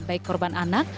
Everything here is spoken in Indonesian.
baik korban anak